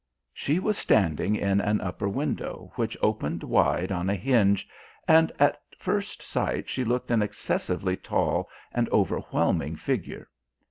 She was standing in an upper window which opened wide on a hinge, and at first sight she looked an excessively tall and overwhelming figure.